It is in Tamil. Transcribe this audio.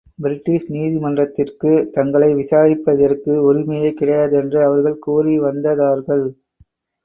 பிரிட்டிஷ் நீதி மன்றத்திற்குத் தங்களை விசாரிப்பதற்கு உரிமையே கிடையாது என்று அவர்கள் கூறிவந்ததார்கள்.